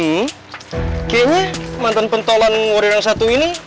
kayaknya mantan pentolan warrior yang satu ini